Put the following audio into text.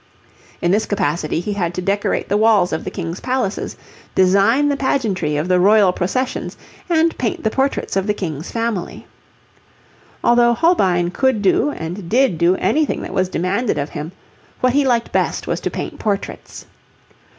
In this capacity he had to decorate the walls of the King's palaces, design the pageantry of the Royal processions, and paint the portraits of the King's family. Although Holbein could do and did do anything that was demanded of him, what he liked best was to paint portraits.